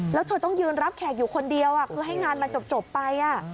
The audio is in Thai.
แล้วเธอต้องยืนรับแขกอยู่คนเดียวคือให้งานมันจบไป